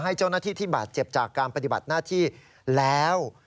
ให้เจ้าหน้าที่ที่บาดเจ็บจากการปฏิบัติหน้าที่แล้ว